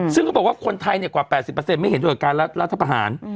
ซึ่งเขาบอกว่าคนไทยเนี่ยกว่า๘๐ไม่เห็นด้วยการรัฐภาษณ์